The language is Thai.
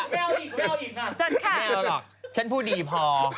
ไม่เอาอีกอ่ะไม่เอาหรอกฉันพูดดีพอ